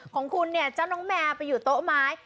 ของคุณเนี่ยเจ้าน้องแมวไปอยู่โต๊ะไม้